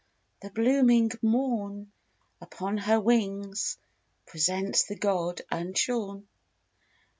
the blooming morn Upon her wings presents the god unshorn.